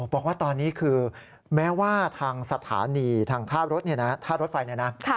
บอกว่าตอนนี้คือแม้ว่าทางสถานีท่ารถส่วนรถไฟนะ